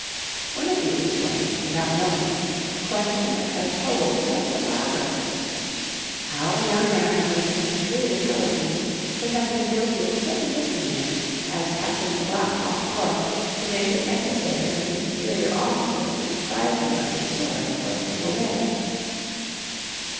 One of these explained, without knowing it, a question which has puzzled several biographers how a young man of Lincoln's shrewd intelligence could have been guilty of such a misdemeanor, as captain in the Black Hawk War, as to make it necessary for his superior officer to deprive him of his sword for a single day.